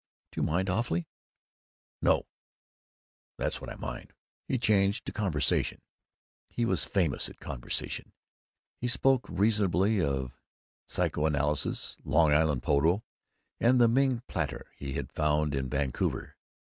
"Do you mind awfully?" "No! That's what I mind!" He changed to conversation. He was famous at conversation. He spoke reasonably of psychoanalysis, Long Island polo, and the Ming platter he had found in Vancouver.